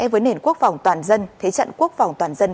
với nền quốc phòng toàn dân thế trận quốc phòng toàn dân